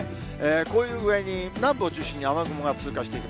こういう具合に南部を中心に雨雲が通過していく。